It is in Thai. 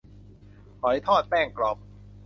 หอยทอดแป้งกรอบ